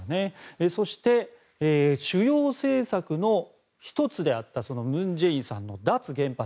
そして、主要政策の１つであった文在寅さんの脱原発。